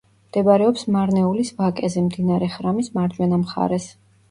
მდებარეობს მარნეულის ვაკეზე, მდინარე ხრამის მარჯვენა მხარეს.